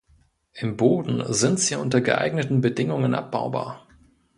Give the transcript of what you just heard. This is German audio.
Im Boden sind sie unter geeigneten Bedingungen abbaubar.